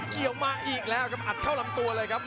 เกี่ยวมาอีกแล้วครับอัดเข้าลำตัวเลยครับ